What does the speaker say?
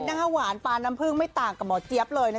หน้าหวานปลาน้ำพึ่งไม่ต่างกับหมอเจี๊ยบเลยนะ